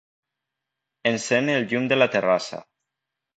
Encén el llum de la terrassa.